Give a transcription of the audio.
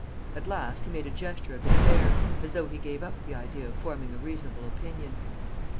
At last, he made a gesture of despair, as though he gave up the idea of forming a reasonable opinion.